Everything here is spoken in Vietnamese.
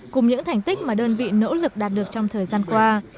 cùng những thành tích mà đơn vị nỗ lực đạt được trong thời gian qua